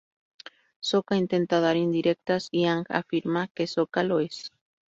Sokka intenta dar indirectas y Aang afirma que Sokka lo es.